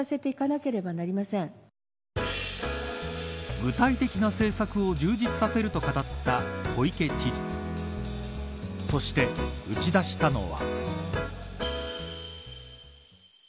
具体的な政策を充実させると語った小池知事そして、打ち出したのは。